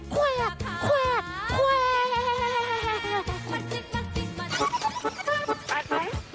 แขวดแขวดแขวด